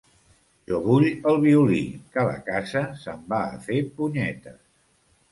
Jo vull el violí, que la casa se'n va a fer punyetes.